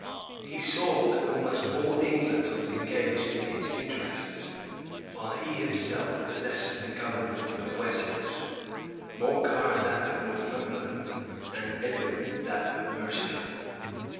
He saw that almost all England was engaged in his interests; while he himself possessed the government of Wessex, Morcar that of Northumberland, and Edwin that of Mercia.